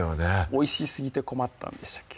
おいしすぎて困ったんでしたっけ